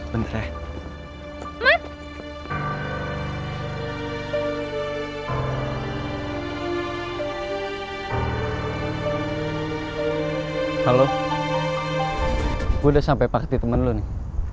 gue udah sampe party temen lo nih